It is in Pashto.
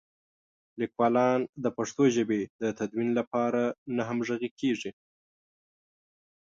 لیکوالان د پښتو ژبې د تدوین لپاره نه همغږي کېږي.